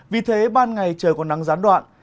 vì thế ban ngày trời còn nắng gián đoạn